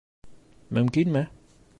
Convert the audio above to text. Мөмкинме?